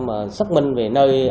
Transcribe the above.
mà xác minh về nơi